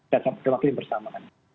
kita wakilin bersama